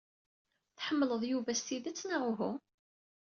Tḥemmled Yuba s tidet, neɣ uhu?